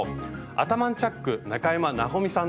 アタマンチャック中山奈穂美さんです。